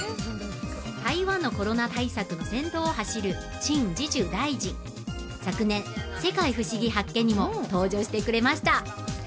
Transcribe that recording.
台湾のコロナ対策の先頭を走る陳時中大臣昨年「世界ふしぎ発見！」にも登場してくれました